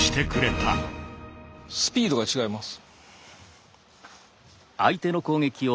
スピードが違います。